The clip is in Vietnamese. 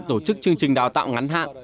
tổ chức chương trình đào tạo ngắn hạn